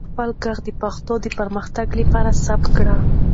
خپل ږغ د پښتو د پرمختګ لپاره ثبت کړئ.